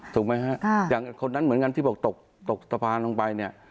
ถูกไหมฮะอย่างคนนั้นเหมือนกันที่บอกตกตกสะพานลงไปเนี่ย